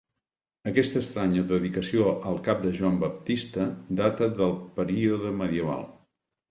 Aquesta estranya dedicació al cap de Joan Baptista data del període medieval.